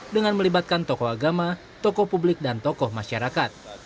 dengan melibatkan tokoh agama tokoh publik dan tokoh masyarakat